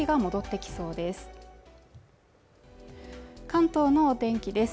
関東のお天気です